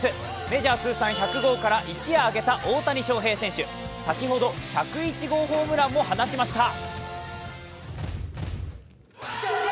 メジャー通算１００号から一夜明けた大谷翔平選手、先ほど１０１号ホームランも放ちました。